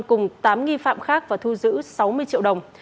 cùng tám nghi phạm khác và thu giữ sáu mươi triệu đồng